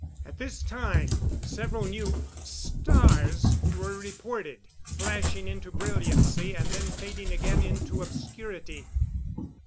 At this time several new "stars" were reported, flashing into brilliancy and then fading again into obscurity.